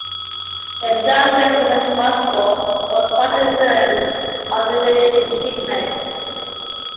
The therapist is responsible for quality assurance of the radiation treatment.